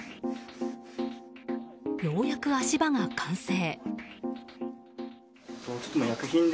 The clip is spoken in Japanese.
ようやく足場が完成。